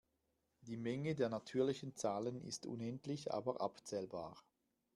Die Menge der natürlichen Zahlen ist unendlich aber abzählbar.